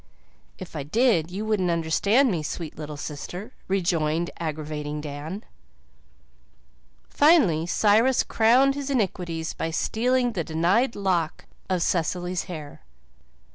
"If I did you wouldn't understand me, sweet little sister," rejoined aggravating Dan. Finally Cyrus crowned his iniquities by stealing the denied lock of Cecily's hair.